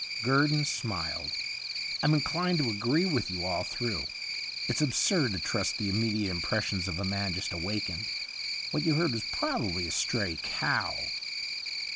Guerdon smiled. ' I'm inclined to agree with you all through. It's absurd to trust the immediate impressions of a man 143 THE UNDYING THING just awakened ; what you heard was probably a stray cow.'